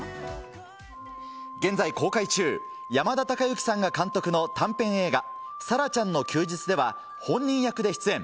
現在、公開中、山田孝之さんが監督の短編映画、沙良ちゃんの休日では、本人役で出演。